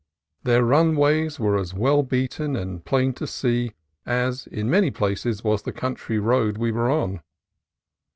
Their runways were as well beaten and plain to see as, in many places, was the county road we were on.